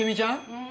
うん。